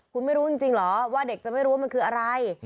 คุณไม่รู้จริงเหรอว่าเด็กจะไม่รู้ว่ามันคืออะไร